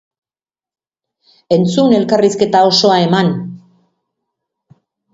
Entzun elkarrizketa osoa eman!